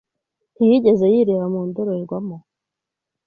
Ntiyigeze yireba mu ndorerwamo?